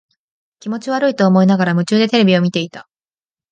気持ち悪いと思いながら、夢中でテレビを見ていた。